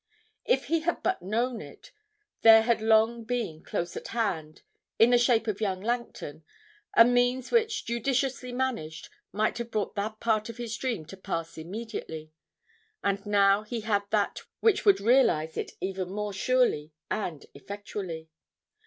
If he had but known it, there had long been close at hand in the shape of young Langton a means which, judiciously managed, might have brought that part of his dream to pass immediately, and now he had that which would realise it even more surely and effectually.